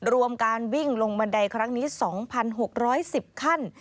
รวมการวิ่งลงบันไดครั้งนี้๒๖๑๐ขั้น